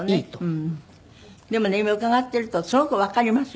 でもね今伺ってるとすごくわかりますよ。